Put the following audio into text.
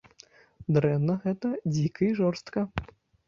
Дрэнна гэта, дзіка і жорстка.